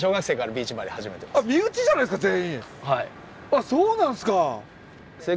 あっそうなんすか！